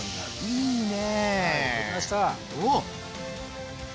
いいね。